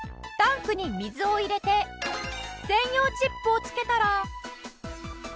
タンクに水を入れて専用チップを付けたら。